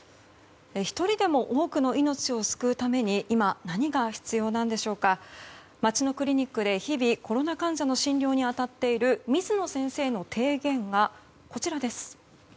１人でも多くの命を救うために今何が必要でしょうか街のクリニックで日々コロナ患者の診療に当たっている水野先生の提言はこちら。